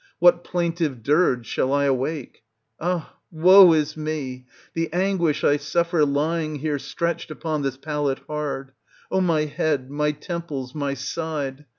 What plaintive dirge shall I awake ? Ah, woe is me ! the anguish I suffer lying here stretched upon this pallet hard ! O my head, my temples, my side!